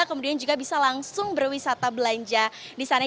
kemudian juga bisa langsung berwisata belanja di sana